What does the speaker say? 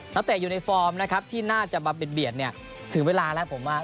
เตะอยู่ในฟอร์มนะครับที่น่าจะมาเบียดเนี่ยถึงเวลาแล้วผมว่า